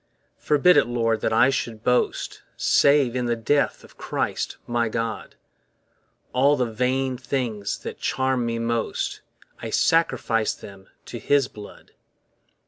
Forbid it, Lord, that I should boast Save in the death of Christ my God; All the vain things that charm me most, I sacrifice them to his blood.